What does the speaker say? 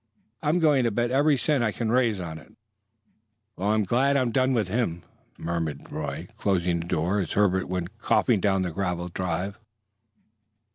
I'm going to bet every cent I can raise on it." "Well, I'm glad I'm done with him!" muttered Roy, closing the door as Herbert went coughing down the gravel drive.